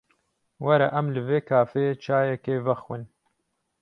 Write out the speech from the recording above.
Were em li vê kafeyê çayekê vexwin.